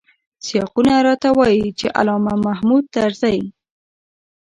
سیاقونه راته وايي چې علامه محمود طرزی.